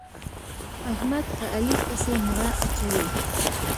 احمد په علي پسې مړه اچوي.